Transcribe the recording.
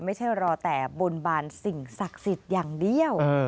ไม่ใช่รอแต่บนบานสิ่งศักดิ์สิทธิ์อย่างเดียว